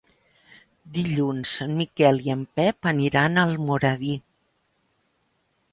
Dilluns en Miquel i en Pep aniran a Almoradí.